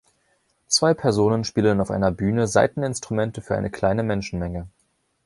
Zwei Personen spielen auf einer Bühne Saiteninstrumente für eine kleine Menschenmenge